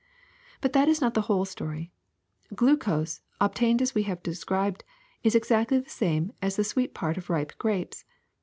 But that is not the whole story. Glucose, ob tained as X have described, is exactly the same as the sweet part of ripe grapes.